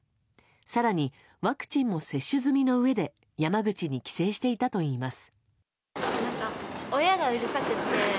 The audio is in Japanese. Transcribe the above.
更にワクチンも接種済みのうえで山口に帰省していたといいます。